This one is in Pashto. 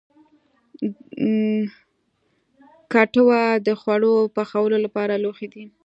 کټوه د خواړو پخولو لپاره لوښی دی